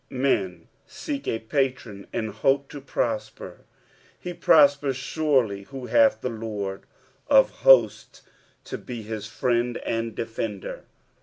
Hen seek a patron and hope to prosper ; he prospers surely who hath the Lord of Hosts to be his friend and defender.